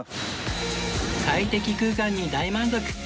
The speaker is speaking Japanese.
快適空間に大満足！